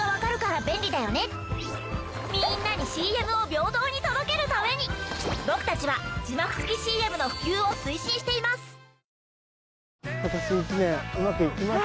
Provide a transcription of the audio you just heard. みんなにＣＭを平等に届けるために僕たちは字幕付きＣＭの普及を推進しています。